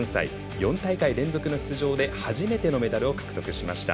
４大会連続の出場で初めてのメダルを獲得しました。